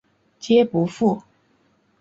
皆不赴。